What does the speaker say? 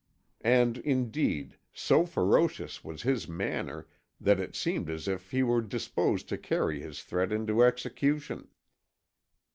And, indeed, so ferocious was his manner that it seemed as if he were disposed to carry his threat into execution.